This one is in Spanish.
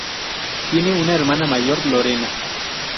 Tiene una hermana mayor, Lorena.